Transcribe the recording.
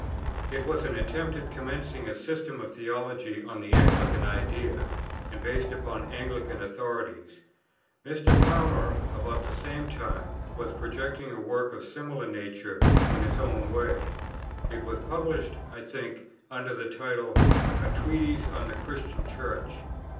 It was an attempt at commencing a system of theology on the Anglican idea, and based upon Anglican authorities. Mr. Palmer, about the same time, was projecting a work of a similar nature in his own way. It was published, I think, under the title, "A Treatise on the Christian Church."